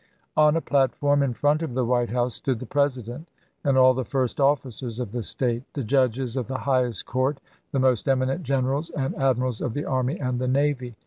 On a plat form in front of the White House stood the Presi dent and all the first officers of the state, the judges of the highest court, the most eminent generals and admirals of the army and the navy.